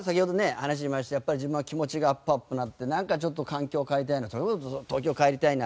話にもありましたようにやっぱり自分は気持ちがアップアップになってなんかちょっと環境を変えたいなそれこそ「東京帰りたいな」